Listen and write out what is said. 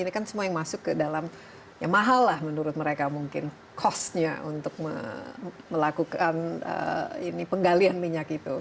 ini kan semua yang masuk ke dalam ya mahal lah menurut mereka mungkin cost nya untuk melakukan penggalian minyak itu